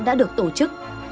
đã được tổ chức